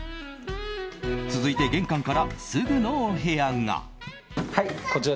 続いて玄関からすぐのお部屋が。